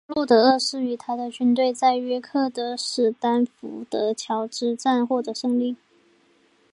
哈洛德二世与他的军队在约克的史丹福德桥之战获得胜利。